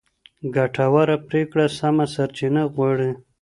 ګټوره پرېکړه سمه سرچینه غواړي.